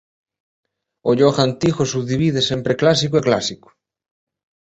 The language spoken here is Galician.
O Ioga antigo subdivídese en preclásico e clásico.